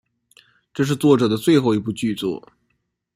这是作者的最后一部剧作。